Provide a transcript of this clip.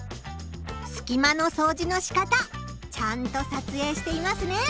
すき間のそうじのしかたちゃんと撮影していますね。